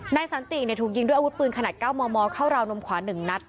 สันติถูกยิงด้วยอาวุธปืนขนาด๙มมเข้าราวนมขวา๑นัด